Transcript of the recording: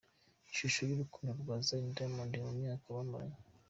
Ishusho y’urukundo rwa Zari na Diamond mu myaka bamaranye.